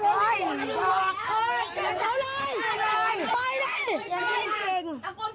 ป้อน